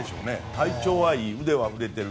体調はいい、腕は振れている。